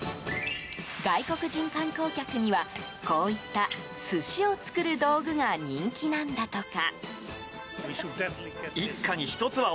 外国人観光客にはこういった寿司を作る道具が人気なんだとか。